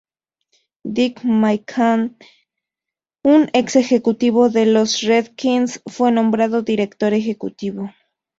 Dick McCann, un ex ejecutivo de los Redskins, fue nombrado director ejecutivo.